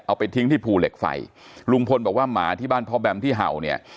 เอาไปทิ้งที่ภูเหล็กไฟลุงพลบอกว่าหมาที่บ้านพ่อแบมที่เห่าเนี่ย